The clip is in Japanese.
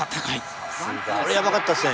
これやばかったですね。